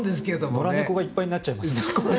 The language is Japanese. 野良猫がいっぱいになっちゃいます。